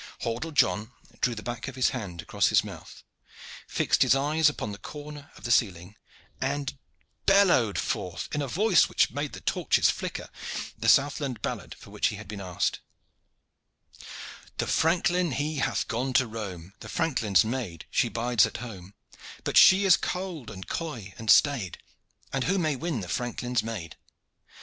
Hordle John drew the back of his hand across his mouth, fixed his eyes upon the corner of the ceiling, and bellowed forth, in a voice which made the torches flicker, the southland ballad for which he had been asked: The franklin he hath gone to roam, The franklin's maid she bides at home, But she is cold and coy and staid, And who may win the franklin's maid?